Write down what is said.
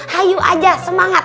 hayu aja semangat